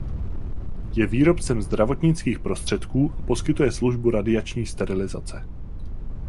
Je výrobcem zdravotnických prostředků a poskytuje službu radiační sterilizace.